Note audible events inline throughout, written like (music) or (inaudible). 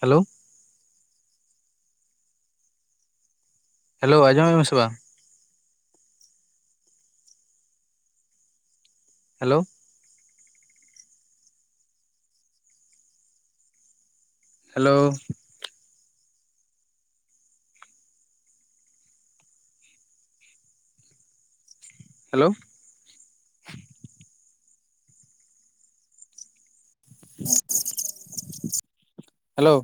Hello hello ᱟᱸᱡᱚᱢᱮᱜᱼᱟᱢ ᱥᱮ ᱵᱟᱝ? Hello hello hello (unintelligible) hello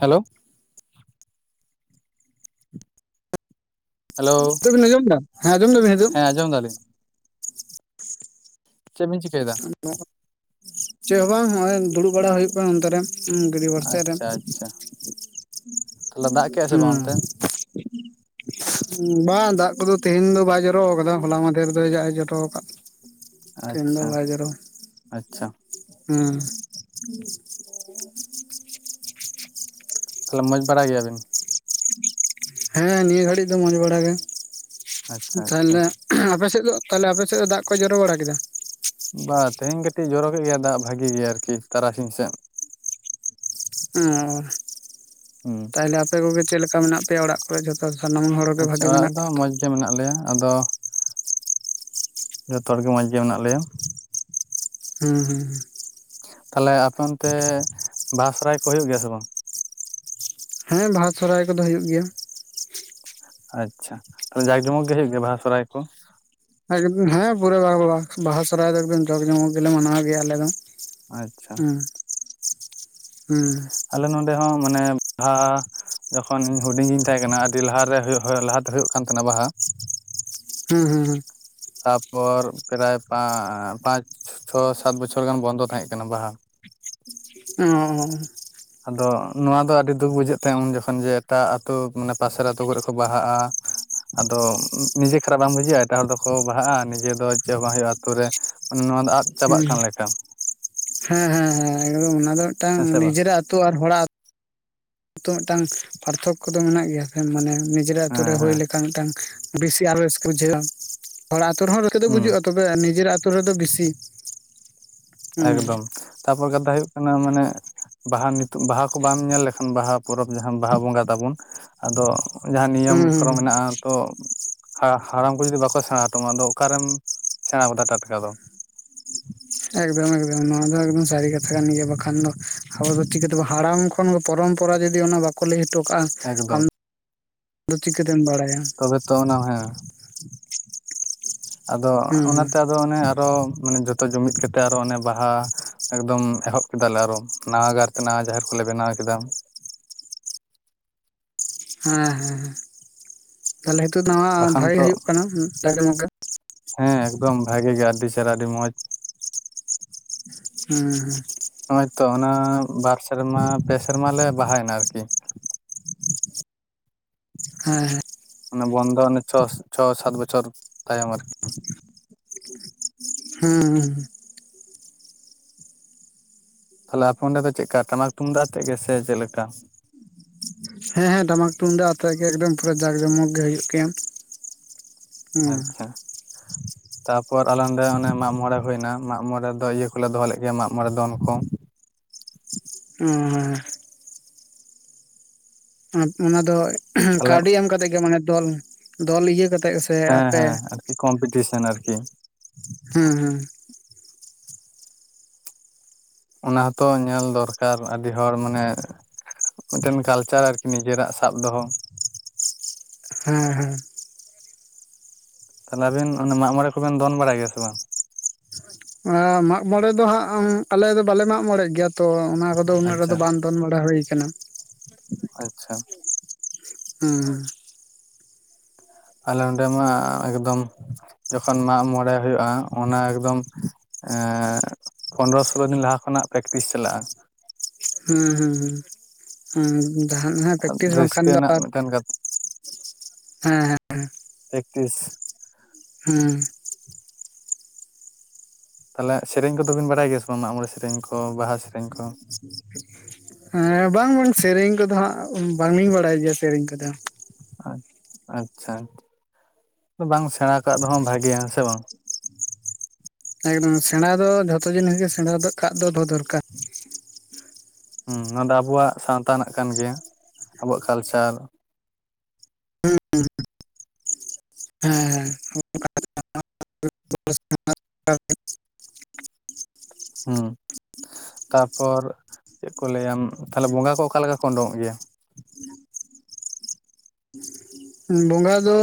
hello hello ᱦᱤᱛᱚᱜ ᱵᱤᱱ ᱟᱸᱡᱚᱢ ᱮᱫᱟ᱾ ᱦᱮᱸ ᱟᱸᱡᱚᱢ ᱮᱫᱟ ᱵᱤᱱ ᱦᱮᱸ ᱟᱸᱡᱚᱢ ᱮᱫᱟᱞᱤᱧ ᱪᱮᱫ ᱵᱮᱤᱱ ᱪᱤᱠᱟᱹᱭᱮᱫᱼᱟ? ᱪᱮᱫ ᱦᱚᱸ ᱵᱟᱝ ᱦᱚᱸᱜᱼᱚᱭ ᱫᱩᱲᱩᱵ ᱵᱟᱲᱟ ᱦᱩᱭᱩᱜ ᱠᱟᱱᱟ ᱱᱚᱱᱛᱮ ᱨᱮ᱾ ᱦᱩᱸ ᱜᱟᱰᱤᱭᱟ. ᱯᱟᱲ ᱥᱮᱫ ᱨᱮ, ᱟᱪᱪᱷᱟ ᱟᱪᱪᱷᱟ ᱛᱟᱦᱚᱞᱮ ᱫᱟᱜ ᱠᱮᱜᱼᱟ ᱥᱮ ᱵᱟᱝ ᱦᱩᱸ ᱚᱱᱛᱮ (inaudible) ᱵᱟᱝ ᱫᱟᱜ ᱠᱚᱫᱚ ᱛᱮᱦᱮᱧ ᱫᱚ ᱵᱟᱭ ᱡᱚᱨᱚ ᱟᱠᱟᱫᱟ, ᱦᱚᱞᱟ ᱢᱟᱫᱷᱮ ᱨᱮᱫᱚ ᱫᱟᱜ ᱮ ᱡᱚᱨᱚ ᱟᱠᱟᱫ᱾ ᱟᱪᱪᱷᱟ (unintelligible) ᱟᱪᱪᱷᱟ ᱦᱚᱸ ᱛᱟᱦᱚᱞᱮ ᱢᱚᱡᱽ ᱵᱟᱲᱟ ᱜᱮᱭᱟᱵᱤᱱ? ᱦᱮᱸ ᱱᱤᱭᱟᱹ ᱜᱷᱟᱹᱲᱤᱡ ᱫᱚ ᱢᱚᱸᱡᱽ ᱵᱟᱲᱟ ᱜᱮ ᱟᱪᱪᱷᱟ ᱟᱪᱪᱷᱟ ᱛᱟᱦᱞᱮ ᱟᱯᱮ ᱥᱮᱫ ᱫᱚ ᱛᱟᱦᱞᱮ ᱟᱯᱮ ᱥᱮᱫ ᱫᱚ ᱫᱟᱜ ᱠᱚᱭ ᱡᱚᱨᱚ ᱵᱟᱲᱟ ᱠᱮᱫᱼᱟ? ᱵᱟ ᱛᱮᱦᱮᱧ ᱠᱟᱹᱴᱤᱡ ᱡᱚᱨᱚ ᱠᱮᱫ ᱜᱮᱭᱟ ᱫᱟᱜ ᱵᱷᱟᱜᱤ ᱜᱮ ᱟᱨᱤ ᱛᱟᱨᱟᱥᱤᱧ ᱥᱮᱫ᱾ ᱚ ᱦᱩᱸ ᱛᱟᱦᱚᱞᱮ ᱟᱯᱮ ᱠᱚᱜᱮ ᱪᱮᱫ ᱞᱮᱠᱟ ᱢᱮᱱᱟᱜ ᱯᱮᱭᱟ ᱚᱲᱟᱜ ᱡᱚᱛᱚ ᱥᱟᱱᱟᱢ ᱦᱚᱲ ᱜᱮ ᱵᱷᱟᱜᱤ ᱢᱮᱱᱟᱜ ᱠᱚᱣᱟ ᱛᱚ ᱵᱷᱟᱹᱜᱤ ᱜᱮ ᱢᱮᱱᱟᱜ ᱞᱮᱭᱟ ᱟᱫᱚ ᱡᱚᱛᱚ ᱦᱚᱲ ᱜᱮ ᱢᱚᱸᱡᱽ ᱜᱮ ᱢᱮᱱᱟᱜ ᱞᱮᱭᱟ᱾ ᱦᱩᱸ ᱦᱩᱸ ᱛᱟᱦᱞᱮ ᱟᱯᱮ ᱚᱱᱛᱮ ᱵᱟᱦᱟ ᱥᱚᱨᱦᱟᱭ ᱠᱚ ᱦᱩᱭᱩᱜ ᱜᱮᱭᱟ ᱥᱮ ᱵᱟᱝ? ᱦᱮᱸ ᱵᱟᱦᱟ ᱥᱚᱨᱦᱟᱭ ᱠᱚᱫᱚ ᱦᱩᱭᱩᱜ ᱜᱮᱭᱟ᱾ ᱟᱪᱪᱷᱟ, ᱡᱟᱸᱠ ᱡᱚᱢᱚᱠ ᱜᱮ ᱦᱩᱭᱩᱜ ᱜᱮᱭᱟ ᱵᱟᱦᱟ ᱥᱚᱨᱦᱟᱭ ᱠᱚ? ᱮ ᱦᱮᱸ ᱯᱩᱨᱟ. ᱵᱟᱦᱟ ᱥᱚᱨᱦᱟᱭ ᱫᱚ ᱮᱠᱫᱚᱢ ᱡᱟᱸᱠ ᱡᱚᱢᱚᱠ ᱜᱮᱞᱮ ᱢᱟᱱᱟᱣ ᱜᱮᱭᱟ ᱟᱞᱮ ᱫᱚ᱾ ᱟᱪᱪᱷᱟ ᱦᱮᱸ ᱦᱮᱸ ᱟᱞᱮ ᱱᱚᱰᱮ ᱦᱚᱸ ᱢᱟᱱᱮ ᱵᱷᱟ ᱡᱚᱠᱷᱚᱱ ᱤᱧ ᱦᱩᱰᱤᱧ ᱜᱤᱧ ᱛᱟᱦᱮᱸ ᱠᱟᱱᱟ ᱟᱹᱰᱤ ᱞᱟᱦᱟ ᱛᱮ ᱞᱟᱦᱟᱛᱮ ᱦᱩᱭᱩᱜ ᱠᱟᱱ ᱛᱟᱦᱮᱸᱱᱟ ᱵᱟᱦᱟ᱾ ᱦᱩᱸ ᱦᱩᱸ ᱦᱩᱸ ᱛᱟᱯᱚᱨ ᱯᱨᱟᱭ ᱯᱟᱸᱪ ᱪᱷᱚ, ᱥᱟᱛ ᱵᱚᱪᱷᱚᱨ ᱜᱟᱱ ᱵᱚᱱᱫᱚ ᱛᱟᱦᱮᱸ ᱠᱟᱱᱟ ᱵᱟᱦᱟ᱾ ᱚᱻᱻ ᱟᱫᱚ ᱱᱚᱣᱟ ᱫᱚ ᱟᱹᱰᱤ ᱫᱩᱠ ᱵᱩᱡᱷᱟᱹᱜ ᱛᱟᱦᱮᱸ ᱩᱱ ᱡᱚᱠᱷᱚᱱ ᱡᱮ ᱮᱴᱟᱜ ᱟᱛᱳ ᱢᱟᱱᱮ ᱯᱟᱥᱮ ᱟ ᱟᱛᱳ ᱠᱚᱨᱮ ᱠᱚ ᱵᱟᱦᱟᱜᱟ᱾ ᱟᱫᱚ ᱱᱤᱡᱮ ᱠᱷᱟᱨᱟᱯ ᱵᱟᱝ ᱵᱩᱡᱷᱟᱹᱜᱼᱟ ᱮᱴᱟᱜ ᱦᱚᱲ ᱫᱚᱠᱚ ᱵᱟᱦᱟᱜ-ᱟ ᱱᱤᱡᱮ ᱫᱚ ᱪᱮᱜ ᱦᱚᱸ ᱵᱟᱝ ᱦᱩᱭᱩᱜᱼᱟ ᱟᱹᱛᱩ ᱨᱮ᱾ ᱢᱟᱱᱮ ᱱᱚᱣᱟ ᱫᱚ ᱟᱫ ᱪᱟᱵᱟᱜ ᱦᱩᱸ ᱠᱟᱱ ᱞᱮᱠᱼᱟ᱾ ᱦᱮᱸ ᱦᱮᱸ ᱦᱮᱸ ᱮᱠᱫᱚᱢ ᱚᱱᱟ ᱫᱚ ᱢᱤᱫᱴᱟᱝ ᱦᱮᱸ ᱥᱮ ᱵᱟᱝ ᱱᱤᱡᱮᱨᱟᱜ ᱟᱹᱛᱩ ᱟᱨ ᱦᱚᱲᱟᱜ ᱟᱛᱳ ᱢᱤᱫᱴᱟᱱ ᱯᱟᱨᱛᱷᱚᱠ-ᱠᱚ ᱫᱚ ᱢᱮᱱᱟᱜ ᱜᱮᱭᱟ ᱢᱟᱱᱮ ᱱᱤᱡᱮᱨᱟᱜ ᱟᱛᱳ ᱨᱮ ᱦᱮᱸ ᱦᱩᱭ ᱦᱮᱸ ᱞᱮᱠᱷᱟᱱ ᱢᱤᱫᱴᱟᱝ ᱵᱮᱥᱤ ᱟᱨᱚ ᱨᱟᱹᱥᱠᱟᱹ ᱵᱩᱡᱷᱟᱹᱣᱼᱟ ᱦᱚᱲᱟᱜ ᱟᱹᱛᱩ ᱨᱮᱦᱚᱸ ᱨᱟᱹᱥᱠᱟᱹ ᱫᱚ ᱦᱩᱸ ᱵᱩᱡᱩᱜᱼᱟ ᱛᱚᱵᱮ ᱱᱤᱡᱮᱨᱟᱜ ᱟᱛᱳ ᱨᱮᱫᱚ ᱟᱨᱦᱚᱸ ᱵᱮᱥᱤ᱾ ᱦᱩᱸ ᱮᱠᱫᱚᱢ ᱛᱟᱨᱯᱚᱨ ᱠᱟᱛᱷᱟ ᱦᱩᱭᱩᱜ ᱠᱟᱱᱟ ᱢᱟᱱᱮ ᱵᱟᱦᱟ ᱱᱤᱛᱚᱜ ᱵᱟᱦᱟ ᱠᱚ ᱵᱟᱢ ᱧᱮᱞ ᱞᱮᱠᱷᱟᱱ ᱵᱟᱦᱟ ᱯᱚᱨᱚᱵᱽ ᱡᱟᱦᱟᱸ ᱵᱟᱦᱟ ᱵᱚᱸᱜᱟ ᱛᱟᱵᱚᱱ ᱟᱫᱚ ᱡᱟᱸᱦᱟᱸ ᱱᱤᱭᱚᱢ ᱦᱩᱸ ᱠᱚᱨᱚᱢ ᱦᱩᱸ ᱢᱮᱱᱟᱜᱼᱟ ᱛᱚ ᱦᱟᱲᱟᱢ ᱠᱚ ᱡᱩᱫᱤ ᱵᱟᱠᱚ ᱥᱮᱬᱟ ᱦᱚᱴᱚ ᱟᱢᱟ ᱟᱫᱚ ᱚᱠᱟᱨᱮᱢ ᱥᱮᱬᱟ ᱜᱚᱫᱟ ᱴᱟᱴᱠᱟ ᱫᱚ᱾ ᱮᱠᱫᱚᱢ ᱮᱠᱫᱚᱢ ᱱᱚᱣᱟ ᱫᱚ ᱮᱠᱫᱚᱢ ᱥᱟᱹᱨᱤ ᱠᱟᱛᱷᱟ ᱠᱟᱱ ᱜᱮᱭᱟ, ᱵᱟᱠᱷᱟᱱ ᱫᱚ ᱟᱵᱚ ᱫᱚ ᱪᱤᱠᱟᱹᱛᱮᱵᱚ ᱦᱟᱲᱟᱢ ᱛᱚᱠᱷᱚᱱ ᱫᱚ ᱯᱚᱨᱚᱢᱯᱚᱨᱟ ᱡᱩᱫᱤ ᱚᱱᱟ ᱵᱟᱠᱚ ᱞᱟᱹᱭ ᱦᱚᱴᱚ ᱠᱟᱜᱼᱟ, ᱮᱠᱫᱚᱢ ᱟᱢᱫᱚ ᱪᱤᱠᱟᱹᱛᱮᱢ ᱵᱟᱲᱟᱭᱟ᱾ ᱛᱚᱵᱮ ᱛᱚ ᱚᱱᱟ ᱦᱮᱸ᱾ ᱟᱫᱚ ᱦᱩᱸ ᱚᱱᱟᱛᱮ ᱟᱫᱚ ᱚᱱᱮ ᱟᱨᱚ ᱢᱟᱱᱮ ᱡᱚᱛᱚ ᱡᱩᱢᱤᱫ ᱠᱟᱛᱮᱫ ᱟᱨᱚ ᱚᱱᱮ ᱵᱟᱦᱟ ᱮᱠᱫᱚᱢ ᱮᱦᱚᱵ ᱠᱮᱫᱟᱞᱮ ᱟᱨᱚ ᱱᱟᱣᱟ ᱜᱟᱨᱛᱮ ᱱᱟᱣᱟ ᱡᱟᱦᱮᱨ ᱠᱚᱞᱮ ᱵᱮᱱᱟᱣ ᱠᱮᱫᱼᱟ᱾ ᱦᱮᱸ ᱦᱮᱸ ᱛᱟᱞᱮ ᱱᱤᱛᱚᱜ ᱱᱟ ᱵᱟᱠᱷᱟᱱ ᱵᱷᱟᱜᱤ ᱜᱮ ᱛᱚ ᱦᱩᱭᱩᱜ ᱠᱟᱱᱟ ᱴᱟᱠᱮ ᱢᱩᱠᱮ᱾ ᱦᱮᱸ ᱮᱠᱫᱚᱢ ᱵᱷᱟᱜᱮ ᱜᱮ ᱟᱹᱰᱤ ᱪᱮᱦᱮᱨᱟ ᱟᱹᱰᱤ ᱢᱚᱸᱡᱽ᱾ ᱦᱮᱸ ᱦᱮᱸ ᱱᱚᱜᱼᱚᱭ ᱛᱚ ᱚᱱᱟ ᱵᱟᱨ ᱥᱮᱨᱢᱟ, ᱯᱮ ᱥᱮᱨᱢᱟ ᱞᱮ ᱵᱟᱦᱟᱭ ᱮᱱᱟ ᱟᱨ ᱠᱤ ᱦᱮᱸ ᱦᱮᱸ ᱢᱟᱱᱮ ᱵᱚᱱᱫᱚ ᱢᱟᱱᱮ ᱪᱷᱚ ᱪᱷᱚ ᱥᱟᱛ ᱵᱚᱪᱷᱚᱨ ᱛᱟᱭᱚᱢ ᱟᱨᱠᱤ ᱦᱩᱸ ᱦᱩᱸ ᱛᱟᱦᱚᱞᱮ ᱟᱯᱮ ᱚᱸᱰᱮ ᱫᱚ ᱪᱮᱫ ᱞᱮᱠᱟ ᱴᱟᱢᱟᱠ ᱛᱩᱢᱫᱟᱜ ᱟᱛᱮᱫ ᱜᱮ ᱥᱮ ᱪᱮᱫ ᱞᱮᱠᱟᱼᱼ ᱦᱮᱸ ᱦᱮᱸ ᱴᱟᱢᱟᱠ ᱛᱩᱢᱫᱟᱜ ᱟᱛᱮᱫ ᱜᱮ ᱮᱠᱫᱚᱢ ᱯᱩᱨ ᱡᱟᱠ ᱡᱚᱢᱚᱠ ᱜᱮ ᱦᱩᱭᱩᱜ ᱜᱮᱭᱟ ᱦᱮᱸ ᱟᱪᱪᱷᱟ ᱛᱟᱯᱚᱨ ᱟᱞᱮ ᱱᱚᱸᱰᱮ ᱚᱱᱮ ᱢᱟᱜᱽ ᱢᱚᱬᱮ ᱦᱩᱭᱱᱟ ᱢᱟᱜ ᱢᱚᱬᱮ ᱫᱚ ᱤᱭᱟᱹ ᱠᱚᱞᱮ ᱫᱚᱦᱚ ᱞᱮᱫ ᱜᱮᱭᱟ ᱢᱟᱜ ᱢᱚᱬᱮ ᱫᱚᱱ ᱠᱚᱼᱼ (unintelligible) (unintelligible) ᱚᱱᱟ ᱫᱚ ᱛᱟᱦᱚᱞᱮ ᱠᱟᱹᱣᱰᱤ ᱮᱢ ᱠᱟᱛᱮᱫ ᱜᱮ ᱢᱟᱱᱮ ᱫᱚᱞ ᱫᱚᱞ ᱤᱭᱟᱹ ᱠᱟᱛᱮᱜ ᱜᱮᱥᱮᱼᱼ ᱦᱮᱸ ᱦᱮᱸ ᱟᱨᱠᱤ ᱠᱚᱢᱯᱤᱴᱤᱥᱚᱱ ᱟᱨᱠᱤᱼᱼ ᱦᱮᱸ ᱦᱮᱸ ᱚᱱᱟ ᱦᱚᱸᱛᱚ ᱧᱮᱞ ᱫᱚᱨᱠᱟᱨ ᱟᱹᱰᱤ ᱦᱚᱲ ᱢᱟᱱᱮᱼᱼ ᱢᱤᱫᱴᱮᱱ ᱠᱟᱞᱪᱟᱨ ᱟᱨᱠᱤ ᱱᱤᱡᱮᱨᱟᱜ ᱥᱟᱵ ᱫᱚᱦᱚᱼᱼ ᱦᱮᱸ ᱦᱮᱸ ᱛᱟᱦᱚᱞᱮ ᱟᱵᱤᱱ ᱚᱱᱟ ᱢᱟᱜ ᱢᱚᱬ ᱠᱚᱵᱮᱱ ᱫᱚᱱ ᱵᱟᱲᱟᱭ ᱜᱮᱭᱟ ᱥᱮ ᱵᱟᱝ ᱚᱱᱟ ᱢᱟᱜ ᱢᱚᱬᱮ ᱫᱚ ᱦᱟᱸᱜ ᱟᱞᱮ ᱫᱚ ᱵᱟᱞᱮ ᱢᱟᱜ ᱢᱚᱬᱮᱜ ᱜᱮᱭᱟ ᱛᱚ ᱚᱱᱟ ᱠᱚᱫᱚᱼᱼ (unintelligible) ᱩᱱᱟᱹᱜ ᱟᱪᱪᱷᱟ ᱨᱮᱫᱚ ᱵᱟᱝ ᱫᱚᱱ ᱵᱟᱲᱟ ᱦᱩᱭ ᱠᱟᱱᱟ ᱟᱪᱪᱷᱟ ᱦᱮᱸ ᱟᱞᱮ ᱚᱸᱰᱮ ᱢᱟ ᱮᱠᱫᱚᱢᱼᱼ ᱡᱚᱠᱷᱚᱱ ᱢᱟᱜ ᱢᱚᱬᱮ ᱦᱩᱭᱩᱜᱼᱟ ᱚᱱᱟ ᱮᱠᱫᱚᱢ ᱮᱼᱼ ᱯᱚᱱᱮᱨᱚ ᱥᱳᱞᱳ ᱫᱤᱱ ᱞᱟᱦᱟ ᱠᱷᱚᱱᱟᱜ ᱯᱨᱮᱠᱴᱤᱥ ᱪᱟᱞᱟᱜᱼᱟ ᱦᱩᱸ ᱦᱩᱸ ᱦᱩᱸ ᱦᱩᱸ ᱦᱩᱸ ᱟᱜ ᱯᱮᱠᱴᱤᱥ ᱵᱟᱝ ᱠᱷᱟᱱ ᱨᱟᱹᱥᱠᱟᱹ ᱫᱚ ᱨᱮᱱᱟᱜ ᱢᱤᱫᱴᱮᱱ ᱦᱮᱸ ᱦᱮᱸ ᱯᱮᱠᱴᱤᱥ ᱦᱮᱸ ᱛᱟᱦᱚᱞᱮ ᱥᱮᱨᱮᱧ ᱠᱚᱫᱚ ᱵᱤᱱ ᱵᱟᱲᱟᱭ ᱜᱮᱭᱟ ᱥᱮ ᱵᱟᱝ ᱢᱟᱜ ᱢᱚᱬᱮ ᱥᱮᱨᱮᱧ ᱠᱚ ᱵᱟᱦᱟ ᱥᱮᱨᱮᱧ ᱠᱚᱼᱼ (unintelligible) ᱦᱮᱸ ᱵᱟᱝ ᱵᱟᱝ ᱥᱮᱨᱮᱧ ᱠᱚ ᱫᱚ ᱦᱟᱸᱜ ᱵᱟᱝᱞᱤᱧ ᱵᱟᱲᱟᱭ ᱜᱮᱭᱟ ᱥᱮᱨᱮᱧ ᱠᱚ ᱫᱚ (unintelligible) ᱟᱪᱪᱷᱟ ᱵᱟᱝ ᱥᱮᱬᱟ ᱠᱟᱜ ᱫᱚᱦᱚ ᱵᱷᱟᱜᱮᱭᱟ ᱦᱮᱸ ᱥᱮ ᱵᱟᱝᱼᱼ ᱮᱠᱫᱚᱢ ᱥᱮᱬᱟ ᱫᱚ ᱡᱷᱚᱛᱚ ᱡᱤᱱᱤᱥ ᱜᱮ ᱥᱮᱬᱟ ᱫᱚ ᱠᱟᱜ ᱫᱚ ᱫᱚᱦᱚ ᱫᱚᱨᱠᱟᱨ ᱦᱩᱸ ᱱᱚᱣᱟ ᱫᱚ ᱟᱵᱚᱣᱟᱜ ᱥᱟᱶᱛᱟᱱᱟᱜ ᱠᱟᱱ ᱜᱮᱭᱟ ᱟᱵᱚᱣᱟᱜ ᱠᱟᱞᱪᱟᱨᱼᱼ ᱦᱮᱸ ᱦᱮᱸ ᱦᱮᱸ ᱦᱮᱸ ᱦᱮᱸ ᱦᱮᱸ ᱛᱟᱯᱚᱨ ᱪᱮᱫ ᱠᱚ ᱞᱟᱹᱭ ᱛᱟᱦᱚᱞᱮ ᱵᱚᱸᱜᱟ ᱠᱚ ᱚᱠᱟ ᱞᱮᱠᱟ ᱠᱚ ᱩᱰᱩᱠᱚᱜ ᱜᱮᱭᱟ ᱵᱚᱸᱜᱟ ᱫᱚ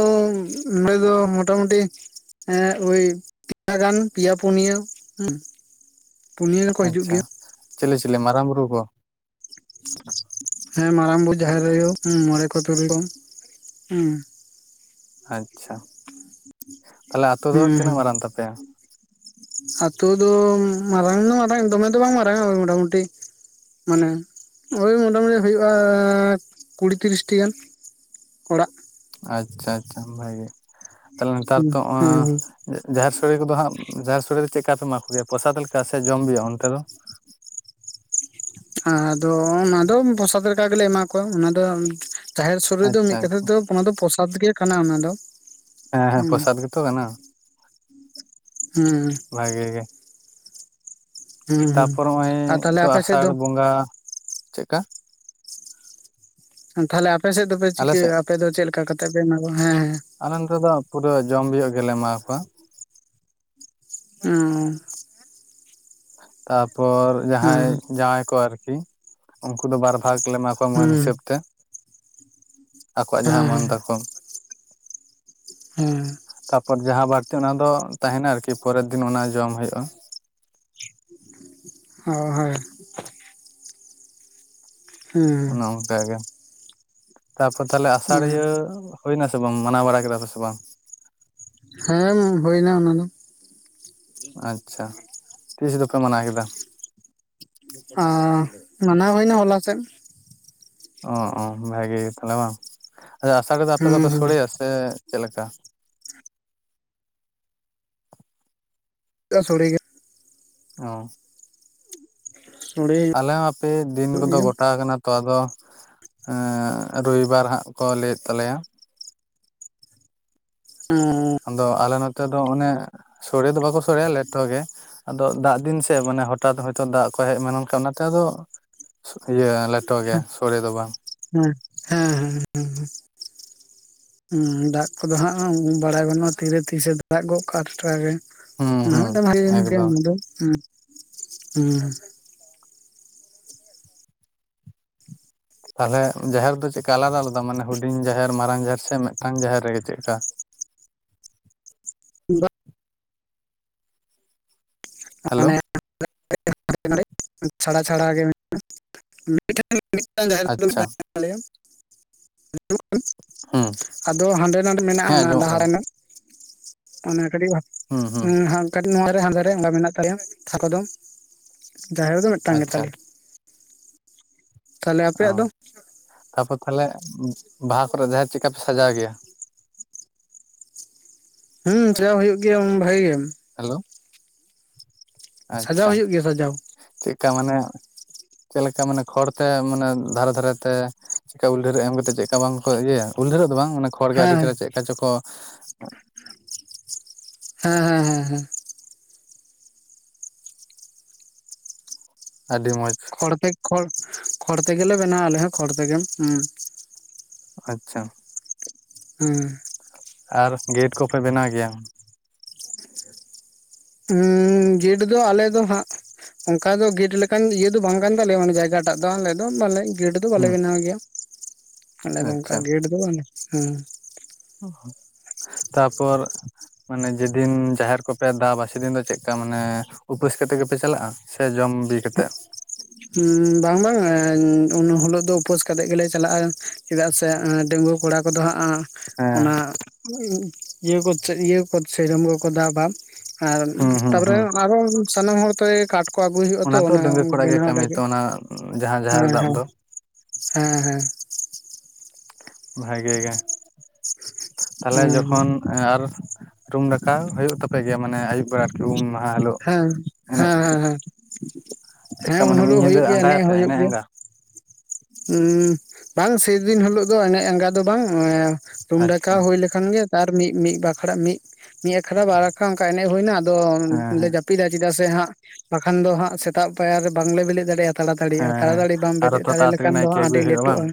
ᱱᱚᱰᱮ ᱫᱚ ᱢᱚᱴᱟᱢᱩᱴᱤᱼᱼ ᱦᱮᱸ ᱳᱭ ᱯᱮᱭᱟ ᱜᱟᱱ ᱯᱮᱭᱟ ᱯᱩᱱᱭᱟᱹ ᱦᱮᱸᱼᱼ ᱟᱪᱪᱷᱟ ᱪᱮᱞᱮ ᱪᱤᱞᱤ ᱢᱟᱨᱟᱝ ᱵᱩᱨᱩ ᱠᱚ ᱦᱮᱸ ᱢᱟᱨᱟᱝ ᱵᱩᱨᱩ ᱡᱟᱦᱮᱨ ᱟᱭᱳ ᱦᱮᱸ ᱢᱚᱬᱮ ᱠᱚ ᱛᱩᱨᱩᱭ ᱠᱚ ᱦᱮᱸᱼᱼ ᱟᱪᱪᱷᱟ ᱛᱟᱦᱚᱞᱮ ᱟᱛᱳ ᱫᱚ ᱦᱩᱸ ᱛᱤᱱᱟᱹᱜ ᱦᱩᱸ ᱢᱟᱨᱟᱝ ᱛᱟᱯᱮᱭᱟ ᱟᱛᱳ ᱫᱚ ᱢᱟᱨᱟᱝ ᱫᱚ ᱢᱟᱨᱟᱝ ᱫᱚᱢᱮ ᱫᱚ ᱵᱟᱝ ᱢᱟᱨᱟᱝ ᱟ ᱢᱚᱴᱟᱢᱩᱴᱤ ᱢᱟᱱᱮ ᱳᱭ ᱢᱚᱴᱟᱢᱩᱴᱤ ᱦᱩᱭᱩᱜᱼᱟ ᱠᱩᱲᱤ ᱛᱤᱨᱤᱥᱴᱤ ᱜᱟᱱ ᱚᱲᱟᱜ ᱟᱪᱷᱟ-ᱟᱪᱷᱟ ᱵᱷᱟᱜᱮ ᱛᱟᱦᱚᱞᱮ ᱱᱮᱛᱟᱨ ᱦᱩᱸ ᱛᱚ ᱦᱩᱸ ᱡᱟᱦᱮᱨ ᱥᱳᱲᱮ ᱠᱚᱫᱚ ᱦᱟᱸᱜ ᱡᱟᱦᱮᱨ ᱥᱳᱲᱮ ᱫᱚ ᱪᱮᱫ ᱞᱮᱠᱟᱯᱮ ᱮᱢᱟ ᱠᱚᱜᱮᱭᱟ ᱯᱚᱨᱥᱟᱫ ᱞᱮᱠᱟ ᱥᱮ ᱡᱚᱢ- ᱵᱤ ᱦᱩᱭᱩᱜᱼᱟ ᱚᱱᱛᱮ ᱫᱚ ᱟᱫᱚ ᱚᱱᱟ ᱫᱚ ᱯᱚᱨᱥᱟᱫ ᱞᱮᱠᱟ ᱜᱮᱞᱮ ᱮᱢᱟ ᱠᱚᱣᱟ ᱚᱱᱟ ᱫᱚ ᱡᱟᱦᱮᱨ ᱥᱳᱲᱮ ᱫᱚ ᱟᱪᱪᱷᱟ ᱢᱤᱫ ᱠᱟᱛᱷᱟ ᱫᱚ ᱚᱱᱟ ᱫᱚ ᱯᱨᱚᱥᱟᱫ ᱜᱮ ᱠᱟᱱᱟ ᱚᱱᱟ ᱫᱚ᱾ ᱦᱮᱸᱻᱦᱮᱸᱻ ᱦᱩᱸ ᱯᱚᱨᱥᱟᱫ ᱜᱮᱛᱚ ᱠᱟᱱᱟ ᱦᱮᱸᱻ ᱵᱷᱟᱜᱮ ᱜᱮ ᱦᱩᱸ ᱦᱩᱸ ᱛᱟᱯᱚᱨ ᱱᱚᱜᱼᱭ ᱟᱨ ᱛᱟᱦᱞᱮ ᱛᱚ ᱟᱯᱮ ᱥᱮᱫ ᱟᱥᱟᱲ ᱫᱚ ᱵᱚᱸᱜᱟ ᱪᱮᱫᱠᱟ? ᱛᱟᱦᱚᱞᱮ ᱟᱯᱮ ᱥᱮᱫ ᱫᱚᱯᱮ ᱟᱞᱮᱥᱮᱫ ᱪᱤᱠᱟᱹᱭᱟ ᱟᱯᱮ ᱫᱚ ᱪᱮᱫ ᱞᱮᱠᱟ ᱠᱟᱛᱮ ᱯᱮ ᱮᱢᱠᱚᱣᱟ ᱦᱮᱸᱻᱦᱮᱸᱻ ᱟᱞᱮ ᱱᱚᱛᱮ ᱫᱚ ᱯᱩᱨᱟᱹ ᱡᱚᱢ ᱵᱤᱭᱳᱜ ᱜᱮᱞᱮ ᱮᱢᱟ ᱠᱚᱣᱟ᱾ ᱦᱩᱸ ᱛᱟᱯᱚᱨ ᱡᱟᱦᱟᱸᱭ ᱦᱮᱸ ᱡᱟᱶᱟᱭ ᱠᱚ ᱟᱨᱠᱤ ᱩᱱᱠᱩ ᱫᱚ ᱵᱟᱨ ᱵᱷᱟᱜᱽ ᱞᱮ ᱮᱢᱟ ᱠᱚᱣᱟ ᱢᱟᱹᱱ ᱦᱩᱸ ᱦᱤᱥᱟᱹᱵ ᱛᱮ ᱟᱠᱚᱣᱟᱜ ᱡᱟᱦᱟᱸ ᱦᱮᱸ ᱢᱟᱹᱱ ᱛᱟᱠᱚ ᱦᱮᱸᱻ ᱛᱟᱯᱚᱨ ᱡᱟᱦᱟᱸ ᱵᱟᱹᱲᱛᱤ ᱚᱱᱟ ᱫᱚ ᱛᱟᱦᱮᱱᱟ ᱟᱨᱠᱤ ᱯᱚᱨᱮᱨ ᱫᱤᱱ ᱚᱱᱟ ᱡᱚᱢ ᱦᱩᱭᱩᱜᱼᱟ᱾ ᱚ ᱦᱚᱭ ᱦᱮᱸ ᱚᱱᱮ ᱚᱱᱠᱟ ᱜᱮ ᱛᱟᱯᱚᱨ ᱛᱟᱦᱞᱮ ᱦᱮᱸ ᱟᱥᱟᱲᱤᱭᱟᱹ ᱦᱩᱭᱱᱟᱥᱮ ᱵᱟᱝ ᱢᱟᱱᱟᱣ ᱵᱟᱲᱟ ᱠᱮᱫᱟ ᱯᱮ ᱥᱮ ᱵᱟᱝ? ᱦᱮᱸᱢ ᱦᱩᱭᱱᱟ ᱚᱱᱟ ᱫᱚ ᱟᱪᱷᱟ ᱛᱤᱥ ᱫᱚᱯᱮ ᱢᱟᱱᱟᱣ ᱠᱮᱫᱟ? ᱚᱸ ᱢᱟᱱᱟᱣ ᱦᱩᱭᱱᱟ ᱦᱚᱞᱟ ᱥᱮᱫ ᱚ-ᱚ ᱵᱷᱟᱜᱮ ᱜᱮ ᱛᱟᱦᱚᱞᱮ ᱵᱟᱝ ᱟᱪᱷᱟ ᱟᱥᱟᱲᱤᱭᱟᱹ ᱫᱚ ᱟᱯᱮ ᱫᱚᱯᱮ ᱦᱩᱸ ᱥᱲᱮᱭᱟ ᱦᱩᱸ ᱥᱮ ᱪᱮᱫ ᱞᱮᱠᱟ? ᱥᱳᱲᱮ ᱜᱮ ᱦᱚᱸ ᱥᱚᱲᱮ ᱟᱞᱮ ᱦᱚᱸ ᱦᱟᱯᱮ ᱫᱤᱱ ᱦᱩᱭᱩᱜ ᱠᱚᱫᱚ ᱜᱮᱭᱟ ᱜᱚᱴᱟ ᱟᱠᱟᱱᱟ᱾ ᱛᱚ ᱟᱫᱚ ᱨᱚᱵᱤᱵᱟᱨ ᱦᱟᱸᱜ ᱠᱚ ᱞᱟᱹᱭᱮᱫ ᱛᱟᱞᱮᱭᱟ᱾ ᱚᱸᱻ ᱟᱫᱚ ᱟᱞᱮ ᱱᱚᱛᱮ ᱫᱚ ᱚᱱᱮ ᱥᱳᱲᱮ ᱫᱚ ᱵᱟᱠᱚ ᱥᱳᱲᱮᱭᱟ ᱞᱮᱴᱚ ᱜᱮ ᱟᱫᱚ ᱫᱟᱜ ᱫᱤᱱ ᱥᱮ ᱢᱟᱱᱮ ᱦᱚᱴᱟᱛ ᱦᱭᱛᱳ ᱫᱟᱜ ᱠᱚ ᱦᱮᱡᱠᱷᱟᱱ ᱚᱱᱟᱛᱮ ᱟᱫᱚ ᱤᱭᱟᱹ ᱞᱮᱴᱚ ᱜᱮ ᱥᱳᱲᱮ ᱫᱚ ᱵᱟᱝ ᱦᱮᱸᱻ ᱦᱮᱸᱻ ᱦᱮᱸᱻ ᱦᱮᱸᱻ ᱦᱸ ᱫᱟᱜ ᱠᱚᱫᱚ ᱦᱟᱸᱜ ᱵᱟᱲᱟᱭ ᱜᱟᱱᱩᱜᱼᱟ ᱛᱤᱨᱮ ᱛᱤᱥᱮ ᱫᱟᱜ ᱜᱚᱫ ᱠᱟᱜ ᱴᱟᱴᱠᱟ ᱜᱮ ᱦᱩᱸ ᱚᱱᱟ ᱦᱩᱸ ᱦᱚᱸ ᱢᱤᱫᱴ ᱦᱩᱭᱮᱱ ᱜᱮᱭᱟ ᱮᱠᱫᱚᱢ ᱚᱱᱟ ᱫᱚ ᱦᱮᱸᱻ ᱛᱟᱦᱚᱞᱮ ᱡᱟᱦᱮᱨ ᱫᱚ ᱪᱮᱫᱞᱮᱠᱟ ᱟᱞᱟᱫᱟ-ᱟᱞᱟᱫᱟ ᱢᱟᱱᱮ ᱦᱩᱰᱤᱧ ᱡᱟᱦᱮᱨ, ᱢᱟᱨᱟᱝ ᱡᱟᱦᱮᱨ ᱥᱮ ᱢᱤᱫᱴᱟᱝ ᱡᱟᱦᱮᱨ ᱨᱮᱜᱮ ᱪᱮᱫᱞᱮᱠᱟ? ᱫᱚ ᱦᱮᱞᱳ ᱚᱱᱮ ᱪᱷᱟᱲᱟ-ᱪᱷᱟᱲᱟ ᱜᱮ ᱢᱮᱱᱟᱜᱼᱟ᱾ ᱢᱤᱫᱴᱷᱮᱱ-ᱢᱤᱫᱴᱟᱱ ᱡᱟᱦᱮᱨ ᱨᱮ ᱟᱪᱪᱷᱟ ᱛᱟᱦᱮᱱ ᱛᱮᱞᱮᱭᱟ᱾ ᱦᱩᱸ ᱟᱫᱚ ᱦᱟᱸᱰᱮ- ᱱᱟᱰᱮ ᱢᱮᱱᱟᱜᱼᱟ ᱦᱮᱸ ᱚᱱᱟ ᱟᱸᱡᱚᱢᱚᱜ ᱰᱟᱦᱟᱨ ᱠᱟᱱᱟ ᱨᱮᱱᱟᱜ ᱚᱱᱟᱜᱮ ᱦᱩᱸ ᱦᱩᱸ ᱠᱟᱹᱴᱤᱡ-ᱠᱟᱹᱴᱤᱡ ᱱᱚᱣᱟ ᱨᱮ ᱦᱟᱸᱫᱟᱮ ᱜᱟ ᱢᱮᱱᱟᱜ ᱛᱤᱧ ᱛᱟᱞᱮᱭᱟ ᱛᱷᱟᱠᱚ ᱫᱚ ᱡᱟᱦᱮᱨ ᱫᱚ ᱢᱤᱫᱴᱟᱝ ᱜᱮ ᱟᱪᱪᱷᱟ ᱛᱟᱞᱮᱭᱟ ᱛᱟᱦᱚᱞᱮ ᱟᱯᱮᱭᱟᱜ ᱫᱚ? ᱚ ᱛᱟᱯᱚᱨ ᱛᱟᱦᱚᱞᱮ ᱵᱟᱦᱟ ᱠᱚᱨᱮ ᱡᱟᱦᱮᱨ ᱪᱮᱫᱠᱟ ᱯᱮ ᱥᱟᱡᱟᱣ ᱜᱮᱭᱟ? ᱦᱩᱸ ᱥᱟᱡᱟᱣ ᱦᱩᱭᱩᱜ ᱜᱮᱭᱟ ᱵᱷᱟᱹᱜᱤ ᱜᱮ ᱦᱮᱞᱳ ᱥᱟᱡᱟᱣ ᱟᱪᱷᱟ ᱦᱩᱭᱩᱜ ᱜᱮᱭᱟ ᱥᱟᱡᱟᱣ ᱪᱮᱫ ᱠᱟ ᱢᱟᱱᱮ ᱪᱮᱫ ᱞᱮᱠᱟ ᱢᱟᱱᱮ ᱠᱷᱚᱲ ᱛᱮ ᱢᱟᱱᱮ ᱫᱷᱟᱨᱮ ᱫᱷᱟᱨᱮ ᱛᱮ? ᱪᱮᱠᱟ ᱩᱞ ᱰᱷᱟᱹᱨ ᱮᱢ ᱠᱟᱛᱮᱫ ᱪᱮᱫᱠᱟ ᱵᱟᱝ ᱠᱚ ᱤᱭᱟᱹᱭᱟ ᱩᱞ ᱰᱷᱟᱹᱨᱮᱨᱚᱜ ᱫᱚ ᱵᱟᱝ ᱚᱱᱟ ᱠᱷᱚᱲ ᱜᱮ ᱟᱹᱰᱤ ᱦᱮᱸ ᱪᱮᱦᱨᱟ ᱪᱮᱫᱠᱟ ᱪᱚᱝ ᱠᱚᱼᱼ (unintelligible) ᱦᱮᱸ ᱦᱮᱸ ᱦᱮᱸ ᱦᱮᱸ ᱟᱹᱰᱤ ᱢᱚᱸᱡᱽ ᱠᱷᱚᱲ ᱛᱮ ᱠᱷᱚᱲ ᱠᱷᱚᱲ ᱛᱮᱜᱮᱞᱮ ᱵᱮᱱᱟᱣᱟ ᱟᱞᱮ ᱦᱚᱸ ᱠᱷᱚᱲ ᱛᱮᱜᱮᱢ ᱦᱮᱸ ᱟᱪᱪᱷᱟ ᱦᱮᱸ ᱟᱨ ᱜᱮᱴ ᱠᱚᱯᱮ ᱵᱮᱱᱟᱣ ᱜᱮᱭᱟ? ᱦᱩᱸ ᱜᱮᱴ ᱫᱚ ᱟᱞᱮ ᱫᱚ ᱦᱟᱸᱜᱼᱼ ᱚᱱᱠᱟ ᱫᱚ ᱜᱮᱴ ᱞᱮᱠᱟᱱ ᱤᱭᱟᱹ ᱫᱚ ᱵᱟᱝ ᱠᱟᱱ ᱛᱟᱞᱮᱭᱟ ᱢᱟᱱᱮ ᱡᱟᱭᱜᱟᱴᱟᱜ ᱫᱚ ᱟᱞᱮ ᱫᱚ ᱢᱟᱱᱮ ᱜᱮᱴᱼᱼ ᱫᱚ ᱵᱟᱞᱮ ᱦᱩᱸ ᱵᱮᱱᱟᱣ ᱜᱮᱭᱟ ᱟᱞᱮ ᱫᱚ ᱚᱱᱠᱟ ᱟᱪᱪᱷᱟ ᱜᱮᱴ ᱫᱚ ᱵᱟᱝ ᱦᱮᱸ (unintelligible) ᱛᱟᱯᱚᱨ ᱢᱟᱱᱮ ᱡᱮᱫᱤᱱ ᱡᱟᱦᱮᱨ ᱠᱚᱯᱮ ᱫᱟᱵᱟ ᱥᱮᱫᱤᱱ ᱫᱚ ᱪᱮᱫ ᱞᱮᱠᱟ ᱢᱟᱱᱮ ᱩᱯᱟᱹᱥ ᱠᱟᱛᱮᱫ ᱜᱮᱯᱮ ᱪᱟᱞᱟᱜᱼᱟ? ᱥᱮ ᱡᱚᱢ ᱵᱤ ᱠᱟᱛᱮᱫ? ᱦᱩᱸ ᱵᱟᱝ ᱵᱟᱝ ᱩᱱ ᱦᱤᱞᱚᱜ ᱫᱚ ᱩᱯᱟᱹᱥ ᱠᱟᱛᱮᱜ ᱜᱮᱞᱮ ᱪᱟᱞᱟᱜᱼᱟ ᱪᱮᱫᱟᱜ ᱥᱮ ᱰᱟᱺᱜᱩᱶᱟ ᱠᱚᱲᱟ ᱠᱚ ᱫᱚ ᱦᱟᱸᱜᱼᱟ ᱦᱮᱸ ᱚᱱᱟ ᱤᱭᱟᱹ ᱤᱭᱟᱹ ᱥᱮᱨᱚᱢ ᱠᱚ ᱠᱚ ᱫᱟᱵᱟ ᱟᱨ ᱦᱩᱸ ᱦᱩᱸ ᱛᱟᱯᱚᱨᱮ ᱦᱩᱸ ᱟᱨᱚ ᱥᱟᱱᱟᱢ ᱦᱚᱲ ᱛᱮ ᱠᱟᱴ ᱠᱚ ᱟᱹᱜᱩᱭ ᱦᱩᱭᱩᱜ ᱟ ᱛᱚ ᱚᱱᱟ ᱰᱟᱺᱜᱩᱣᱟᱹ ᱠᱚᱲᱟ ᱜᱮ ᱵᱮᱱᱟᱣ ᱠᱟᱹᱢᱤ ᱞᱟᱹᱜᱤᱫ ᱛᱚ ᱚᱱᱟ ᱡᱟᱦᱟᱸ ᱡᱟᱦᱮᱨ ᱫᱟᱵ ᱫᱚᱼᱼ ᱦᱮᱸ ᱦᱮᱸ ᱵᱷᱟᱜᱮ ᱜᱮ ᱛᱟᱦᱚᱞᱮ ᱦᱮᱸ ᱡᱚᱠᱷᱚᱱ ᱟᱨ ᱨᱩᱢ ᱰᱟᱠᱟ ᱦᱩᱭᱩᱜ ᱛᱟᱯᱮ ᱜᱮᱭᱟ ᱢᱟᱱᱮ ᱟᱭᱩᱵ ᱵᱮᱲᱟ ᱟᱨᱠᱤ ᱩᱢᱼᱼ ᱦᱮᱸ ᱦᱮᱞᱳ ᱦᱮᱸ ᱦᱮᱸ ᱦᱮᱸ ᱦᱮᱸ ᱮᱱᱮᱡ ᱦᱮᱸ ᱦᱮᱸ ᱪᱮᱫ ᱞᱮᱠᱟ ᱦᱮᱸ ᱩᱱ ᱢᱟᱱᱮ ᱢᱤᱫ ᱦᱤᱞᱳᱜ ᱧᱤᱫᱟᱹ ᱦᱩᱭᱩᱜ ᱟᱸᱜᱟᱭ ᱟᱯᱮ ᱮᱱᱮᱡ ᱟᱸᱜᱟᱼᱼ ᱦᱩᱸ ᱵᱟᱝ ᱥᱮᱫᱤᱱ ᱦᱤᱞᱳᱜ ᱫᱚ ᱮᱱᱮᱡ ᱟᱸᱜᱟ ᱫᱚ ᱵᱟᱝ ᱨᱩᱢ ᱰᱟᱠᱟ ᱟᱪᱪᱷᱟ ᱦᱩᱭ ᱞᱮᱠᱷᱟᱱ (unintelligible) ᱢᱤᱫ ᱢᱤᱫ ᱵᱟ ᱢᱤᱫ ᱢᱤᱫ ᱟᱠᱷᱲᱟ ᱵᱟᱨ ᱟᱠᱷᱨᱟ ᱚᱱᱠᱟ ᱮᱱᱮᱡ ᱦᱩᱭ ᱮᱱᱟ ᱟᱫᱚ ᱦᱮᱸ ᱞᱮ ᱦᱮᱸ ᱡᱟᱯᱤᱫᱼᱟ ᱡᱟᱹᱯᱤᱫᱟ ᱪᱮᱫᱟᱜ ᱥᱮ ᱦᱟᱸᱜ ᱵᱟᱠᱷᱟᱱ ᱫᱚ ᱦᱟᱸᱜ ᱥᱮᱛᱟᱜ ᱯᱟᱭᱟᱨ ᱨᱮ ᱵᱟᱝᱞᱮ ᱵᱮᱞᱮᱫ ᱫᱟᱲᱮᱭᱟᱜᱼᱟ ᱛᱟᱲᱟ ᱛᱟᱲᱤᱭᱟᱜᱼᱟ ᱦᱮᱸ ᱦᱮᱸ ᱛᱟᱲᱟᱛᱟᱲᱤ ᱵᱟᱢ ᱵᱮᱨᱮᱫ ᱟᱨᱚ ᱛᱚ ᱫᱟᱲᱮ ᱛᱟᱲᱟᱛᱟᱲᱤ ᱞᱮᱠᱷᱟᱱ ᱫᱚ ᱱᱟᱭᱠᱮ ᱟᱹᱰᱤ ᱟᱹᱜᱩᱭ ᱦᱩᱭᱩᱜᱼᱟ ᱵᱟᱝ ᱞᱮᱴᱚᱜᱼᱟ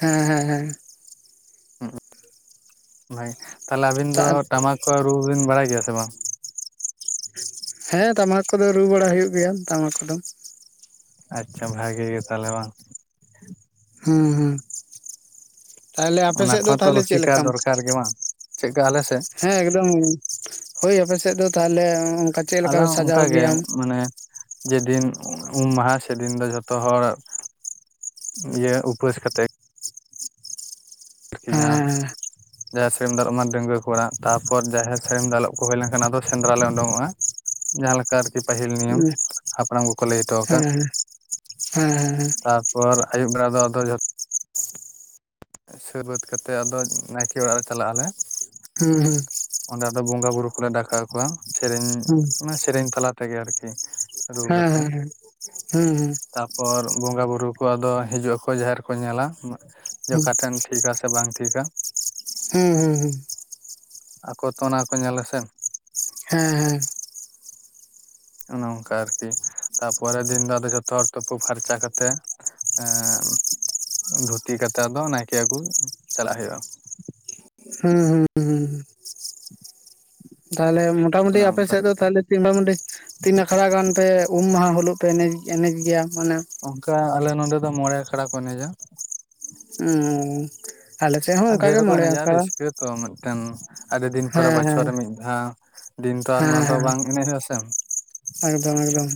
ᱦᱮᱸ ᱦᱮᱸ ᱦᱮᱸ ᱵᱷᱟᱭ ᱛᱟᱦᱞᱮ ᱟᱵᱤᱱ ᱫᱚ ᱦᱮᱸ ᱴᱟᱢᱟᱠ ᱠᱚ ᱨᱩ ᱵᱤᱱ ᱵᱟᱲᱟᱭ ᱜᱮᱭᱟ ᱥᱮ ᱵᱟᱝ ᱦᱮᱸ ᱴᱟᱢᱟᱠ ᱠᱚ ᱫᱚ ᱨᱩ ᱵᱟᱲᱟ ᱦᱩᱭᱩᱜ ᱜᱮᱭᱟ ᱴᱟᱢᱟᱠ ᱠᱚ ᱫᱚᱼᱼ ᱟᱪᱪᱷᱟ ᱵᱷᱟᱜᱮ ᱜᱮ ᱛᱟᱦᱚᱞᱮ ᱵᱟᱝ ᱦᱩᱸ ᱦᱩᱸ ᱛᱟᱦᱞᱮ ᱟᱯᱮ ᱚᱱᱟ ᱥᱮᱫ ᱫᱚ ᱠᱚᱦᱚᱸ ᱛᱚ ᱛᱟᱦᱞᱮ ᱪᱮᱫ ᱨᱩᱥᱤᱠᱟ ᱞᱮᱠᱟᱢ ᱫᱚᱨᱠᱟᱨ ᱜᱮ ᱵᱟᱝ ᱪᱮᱫᱠᱟ ᱟᱞᱮ ᱥᱮᱫ ᱦᱮᱸ ᱮᱠᱫᱚᱢ ᱦᱳᱭ ᱟᱯᱮ ᱥᱮᱫ ᱫᱚ ᱛᱟᱦᱞᱮ ᱚᱱᱠᱟ ᱪᱮᱫ ᱞᱮᱠᱟ ᱟᱢ ᱥᱟᱡᱟᱣ ᱜᱮᱭᱟᱢ ᱡᱮ ᱫᱤᱱ ᱩᱢ ᱢᱟᱦᱟ ᱥᱮᱫᱤᱱ ᱫᱚ ᱡᱷᱚᱛᱚ ᱦᱚᱲᱼᱼ ᱤᱭᱟᱹ ᱩᱯᱟᱹᱥ ᱠᱟᱛᱮᱜᱼᱼ ᱡᱟᱦᱟᱸ ᱦᱮᱸ ᱡᱟᱦᱮᱨ ᱥᱟᱹᱲᱤᱢ ᱫᱟᱞᱚᱵ ᱢᱟ ᱰᱟᱺᱜᱟᱶᱟ ᱠᱚᱲᱟ ᱛᱟᱯᱚᱨ ᱡᱟᱦᱮᱨ ᱥᱟᱹᱲᱤᱢ ᱫᱟᱞᱚᱵ ᱠᱚ ᱦᱩᱭ ᱞᱮᱱ ᱠᱷᱟᱱ ᱟᱫᱚ ᱥᱮᱸᱫᱽᱨᱟ ᱞᱮ ᱩᱰᱩᱠᱚᱜᱼᱟ ᱡᱟᱦᱟ ᱞᱮᱠᱟ ᱟᱨᱠᱤ ᱯᱟᱹᱦᱤᱞ ᱱᱤᱭᱚᱢ ᱦᱮᱸ ᱦᱟᱯᱲᱟᱢ ᱠᱚ ᱠᱚ ᱞᱟᱹᱭ ᱦᱚᱴᱚ ᱠᱟᱜ ᱦᱮᱸ ᱦᱮᱸ ᱦᱮᱸ ᱯᱚᱨ ᱟᱭᱩᱵ ᱵᱮᱲᱟ ᱫᱚ ᱟᱫᱚ ᱡᱷᱚᱛᱚᱼᱼ ᱥᱟᱹᱛ ᱵᱟᱹᱛ ᱠᱟᱛᱮ ᱟᱫᱚ ᱱᱟᱭᱠᱮ ᱚᱲᱟᱜ ᱞᱮ ᱪᱟᱞᱟᱜ ᱟᱞᱮ ᱦᱩᱸ ᱦᱩᱸ ᱚᱸᱰᱮ ᱟᱫᱚ ᱵᱚᱸᱜᱟ ᱵᱩᱨᱩ ᱠᱚᱞᱮ ᱰᱟᱠᱟᱣ ᱟᱠᱚᱣᱟ ᱥᱮᱨᱮᱧᱼᱼ ᱦᱩᱸ ᱥᱮᱨᱮᱧ ᱛᱟᱞᱟ ᱛᱮᱜᱮ ᱟᱨᱠᱤ ᱨᱩ ᱦᱮᱸ ᱦᱮᱸ ᱦᱮᱸ ᱦᱮᱸ ᱦᱮᱸ ᱯᱚᱨ ᱵᱚᱸᱜᱟ ᱵᱩᱨᱩ ᱠᱚ ᱟᱫᱚ ᱦᱤᱡᱩᱜ ᱟᱠᱚ ᱡᱟᱦᱮᱨ ᱠᱚ ᱧᱮᱞᱟ᱾ ᱡᱮ ᱦᱮᱸ ᱚᱠᱟ ᱴᱷᱮᱱ ᱴᱷᱤᱠᱟ ᱥᱮ ᱵᱟᱝ ᱴᱷᱤᱠᱟ᱾ ᱦᱩᱸ ᱦᱩᱸ ᱦᱩᱸ ᱟᱠᱚ ᱛᱚ ᱚᱱᱟ ᱠᱚ ᱧᱮᱞᱟ ᱥᱮ᱾ ᱦᱮᱸ ᱚᱱᱮ ᱚᱱᱠᱟ ᱟᱨᱠᱤ ᱛᱟᱨᱯᱚᱨᱮᱨ ᱫᱤᱱ ᱫᱚ ᱟᱫᱚ ᱡᱚᱛᱚ ᱦᱚᱲ ᱛᱩᱯᱩ ᱯᱷᱟᱨᱪᱟ ᱠᱟᱛᱮᱜ ᱮ ᱫᱷᱩᱛᱤ ᱠᱟᱛᱮ ᱟᱫᱚ ᱱᱟᱭᱠᱮ ᱟᱜᱩ ᱪᱟᱞᱟᱜ ᱦᱩᱭᱩᱜᱼᱟ᱾ ᱦᱮᱸ ᱦᱩᱸ ᱦᱩᱸ ᱦᱩᱸ ᱛᱟᱦᱚᱞᱮ ᱢᱚᱴᱟᱢᱩᱴᱤ ᱚᱱᱮ ᱚᱱᱠᱟ ᱟᱯᱮᱥᱮᱫ ᱫᱚ ᱛᱟᱦᱞᱮ ᱢᱚᱴᱟᱢᱩᱴᱤ ᱛᱤᱱ ᱟᱠᱷᱲᱟ ᱜᱟᱱ ᱯᱮ ᱩᱢ ᱢᱟᱦᱟ ᱦᱤᱞᱩᱜ ᱯᱮ ᱮᱱ ᱮᱱᱮᱡ ᱜᱮᱭᱟ ᱢᱟᱱᱮ᱾ ᱚᱱᱠᱟ ᱟᱞᱮ ᱱᱚᱰᱮ ᱫᱚ ᱢᱚᱬᱮ ᱟᱠᱷᱲᱟ ᱠᱚ ᱮᱱᱮᱡᱟ᱾ ᱚ ᱟᱞᱮᱥᱮᱫ ᱦᱚᱸ ᱚᱱᱠᱟ ᱜᱮ ᱢᱚᱬᱮ ᱟᱸᱠᱷᱟᱲᱟ᱾ ᱠᱚ ᱢᱤᱫᱴᱮᱱ, ᱟᱹᱰᱤ ᱫᱤᱱ ᱯᱚᱨᱮ ᱵᱚᱪᱷᱚᱨ ᱦᱮᱸ ᱨᱮ ᱢᱤᱫ ᱫᱷᱟᱣ ᱫᱤᱱ ᱛᱚ ᱱᱚᱣᱟ ᱫᱚ ᱦᱮᱸ ᱵᱟᱝ ᱮᱱᱮᱡ ᱦᱩᱭᱩᱜ ᱟᱥᱮ᱾ ᱮᱠᱫᱚᱢ ᱮᱠᱫᱚᱢ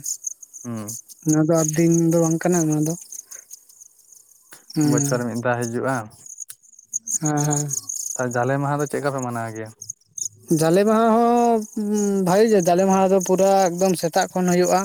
ᱚᱱᱟ ᱫᱚ ᱟ ᱫᱤᱱ ᱫᱚ ᱵᱟᱝ ᱠᱟᱱᱟ ᱚᱱᱟ ᱫᱚ᱾ ᱦᱮᱸ ᱵᱚᱪᱷᱚᱨ ᱨᱮ ᱢᱤᱫ ᱫᱷᱟᱣ ᱦᱤᱡᱩᱜᱼᱟ᱾ ᱦᱮᱸ ᱦᱮᱸ ᱡᱟᱞᱮ ᱢᱟᱦᱟ ᱫᱚ ᱪᱮᱫ ᱞᱮᱠᱟ ᱯᱮ ᱢᱟᱱᱟᱣ ᱜᱮᱭᱟ? ᱡᱟᱞᱮ ᱢᱟᱦᱟ ᱦᱚᱸ ᱵᱷᱟᱜᱤ ᱜᱮ ᱡᱟᱞᱮ ᱢᱟᱦᱟ ᱫᱚ ᱯᱩᱨᱟ ᱮᱠᱫᱚᱢ ᱥᱮᱛᱟᱜ ᱠᱷᱚᱱ ᱦᱳᱭᱳᱜᱼᱟ᱾